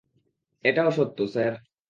এটাও সত্য, স্যার।